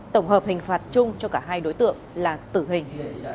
tổng hợp hình phạt chung cho cả hai đối tượng là tử hình